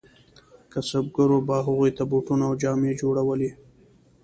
کسبګرو به هغو ته بوټونه او جامې جوړولې.